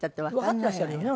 わかってらっしゃるよね？